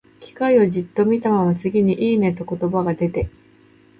機械をじっと見たまま、次に、「いいね」と言葉が出て、